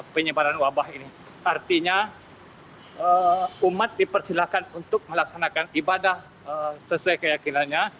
penyebaran wabah ini artinya umat dipersilahkan untuk melaksanakan ibadah sesuai keyakinannya